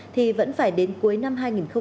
thì vẫn phải đến cuối năm hai nghìn hai mươi